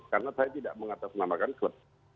karena saya tidak mengatasnamakan klub